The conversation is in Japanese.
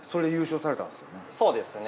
そうですね。